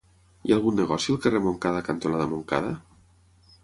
Hi ha algun negoci al carrer Montcada cantonada Montcada?